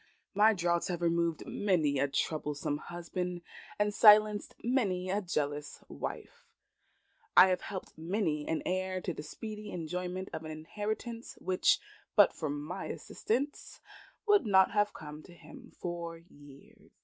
My draughts have removed many a troublesome husband, and silenced many a jealous wife. I have helped many an heir to the speedy enjoyment of an inheritance, which, but for my assistance, would not have come to him for years.